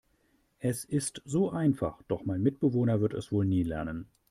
Es ist so einfach, doch mein Mitbewohner wird es wohl nie lernen.